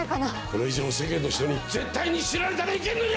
これ以上世間の人に絶対に知られたらいけんのじゃ！